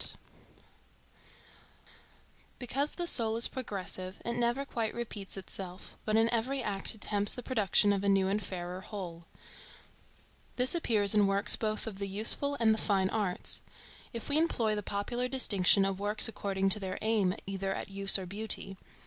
ART Because the soul is progressive, it never quite repeats itself, but in every act attempts the production of a new and fairer whole. This appears in works both of the useful and the fine arts, if we employ the popular distinction of works according to their aim either at use or beauty.